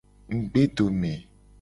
Ngugbedome.